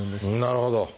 なるほど。